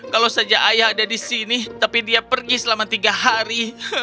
kalau saja ayah ada di sini tapi dia pergi selama tiga hari